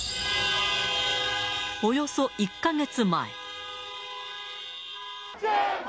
およそ１か月前。